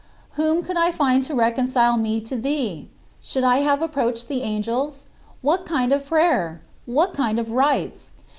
Whom could I find to reconcile me to thee? Should I have approached the angels? What kind of prayer? What kind of rites?